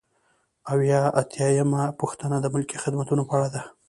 اووه اتیا یمه پوښتنه د ملکي خدمتونو په اړه ده.